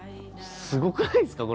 すごくないですか？